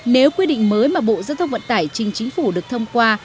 nếu quy định mới mà bộ dân vận tải trình chính phủ được thông qua